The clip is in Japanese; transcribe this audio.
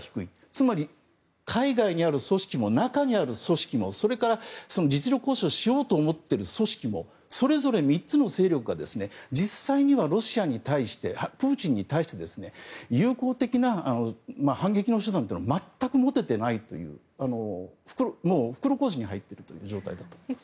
つまり、海外にある組織も中にある組織もそれから、実力行使をしようと思っている組織もそれぞれ３つの勢力が実際にはロシアに対してプーチンに対して有効的な反撃の手段というのを全く持てていないというもう、袋小路に入っている状態だと思います。